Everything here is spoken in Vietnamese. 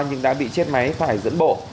nhưng đã bị chết máy phải dẫn bộ